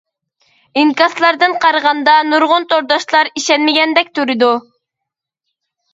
ئىنكاسلاردىن قارىغاندا نۇرغۇن تورداشلار ئىشەنمىگەندەك تۇرىدۇ.